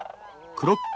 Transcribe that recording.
クロック。